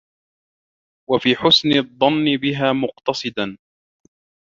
وَفِي حُسْنِ الظَّنِّ بِهَا مُقْتَصِدًا